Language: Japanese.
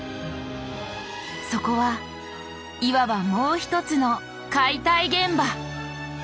そこはいわばもうひとつの解体現場！